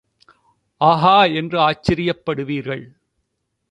ஆகா என்று ஆச்சரியப்படுவீர்கள்.